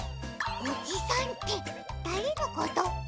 おじさんってだれのこと？